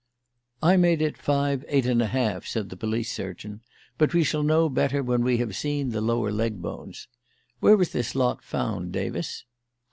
"I made it five eight and a half," said the police surgeon; "but we shall know better when we have seen the lower leg bones. Where was this lot found, Davis?"